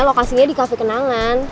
lokasinya di kafe kenangan